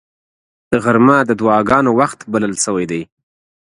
غرمه د دعاګانو وخت بلل شوی دی